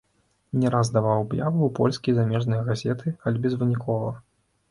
Не раз даваў аб'явы ў польскія і замежныя газеты, але безвынікова.